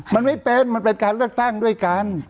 มันไม่เป็นมันเป็นการเลือกตั้งด้วยกัน